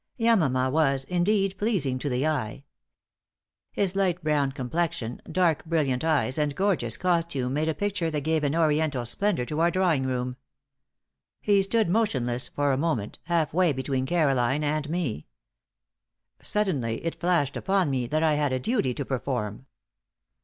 Yamama was, indeed, pleasing to the eye. His light brown complexion, dark brilliant eyes and gorgeous costume made a picture that gave an Oriental splendor to our drawing room. He stood motionless for a moment, half way between Caroline and me. Suddenly it flashed upon me that I had a duty to perform.